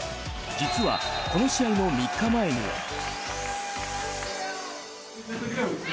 実は、この試合の３日前には。